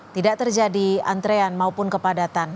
tidak terjadi antrean maupun kepadatan